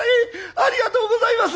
ありがとうございます！」。